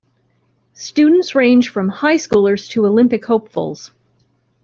Students range from high-schoolers to Olympic hopefuls.